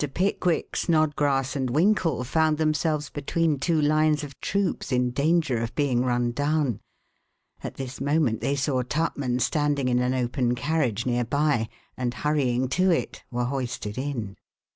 Pickwick, Snodgrass and Winkle found themselves between two lines of troops, in danger of being run down. At this moment they saw Tupman standing in an open carriage near by and, hurrying to it, were hoisted in.